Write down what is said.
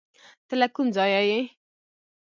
ته له کوم ځایه یې؟